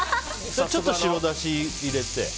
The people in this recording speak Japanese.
ちょっと白だし入れて。